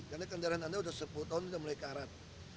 karena kendaraan anda udah sepuluh tahun udah mulai karat